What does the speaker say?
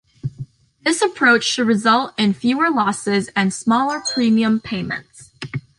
This approach should result in fewer losses and smaller premium payments.